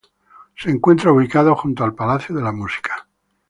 Se encuentra ubicado junto al Palacio de la Música.